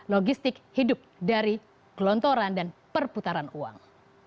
logistik hidup dari gelontoran dan perputaran uang